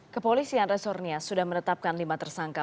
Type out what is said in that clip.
kepolisian resornia sudah menetapkan lima tersangka